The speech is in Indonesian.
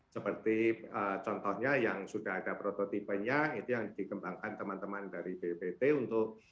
seperti contohnya yang sudah ada prototipenya itu yang dikembangkan teman teman dari bppt untuk